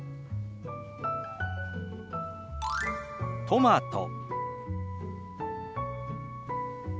「トマト」。